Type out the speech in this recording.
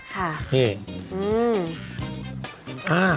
ค่ะ